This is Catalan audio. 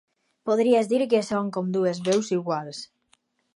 Podries dir que són com dues veus iguals.